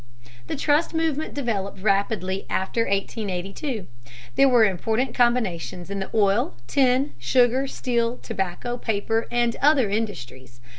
The trust movement developed rapidly after 1882. There were important combinations in the oil, tin, sugar, steel, tobacco, paper, and other industries.